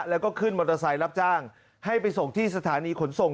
แล้วก็ขึ้นมอเตอร์ไซค์รับจ้างให้ไปส่งที่สถานีขนส่ง